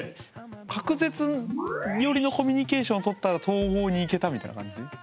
隔絶よりのコミュニケーションを取ったら統合に行けたみたいな感じ？